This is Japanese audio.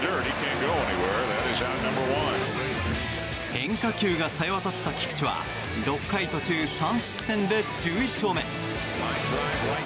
変化球がさえわたった菊池は６回途中３失点で１１勝目。